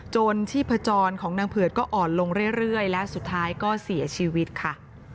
ชีพจรของนางเผือดก็อ่อนลงเรื่อยและสุดท้ายก็เสียชีวิตค่ะ